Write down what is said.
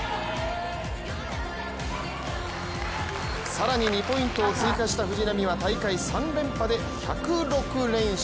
更に２ポイントを追加した藤波は大会３連覇で１０６連勝。